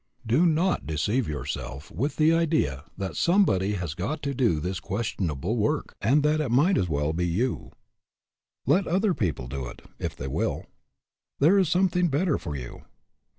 Do not deceive yourself with the idea that somebody has got to do this questionable HAS YOUR VOCATION APPROVAL 121 work, and that it might as well be you. Let other people do it, if they will ; there is some thing better for you.